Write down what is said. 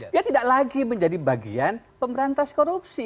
dia tidak lagi menjadi bagian pemberantas korupsi